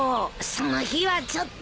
その日はちょっと。